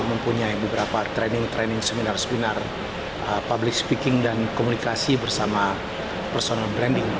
mempunyai beberapa training training seminar seminar public speaking dan komunikasi bersama personal branding